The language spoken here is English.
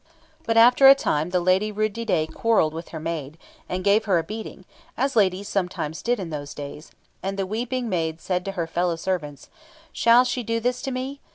But after a time the lady Rud didet quarrelled with her maid, and gave her a beating, as ladies sometimes did in those days; and the weeping maid said to her fellow servants, "Shall she do this to me?